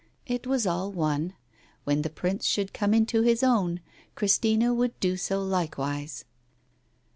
It was all one. When the Prince should come into his own, Christina would do so like wise.